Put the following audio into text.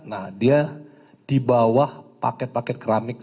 nah dia di bawah paket paket keramik